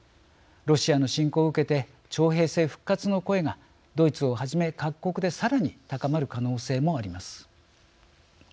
ロシアの侵攻を受けて徴兵制復活の声がドイツをはじめ各国でさらに高まる可能性もあります。